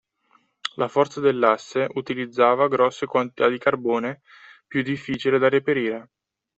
La forza dell'Asse utilizzava grosse quantità di carbone più difficile da reperire.